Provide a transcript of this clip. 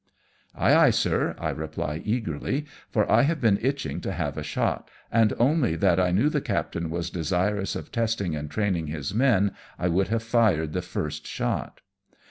"Ay, ay, sir !" I reply eagerly, for I have been itching to have a shot, and only that I knew the captain was desirous of testing and training his men I would have fired the first shot.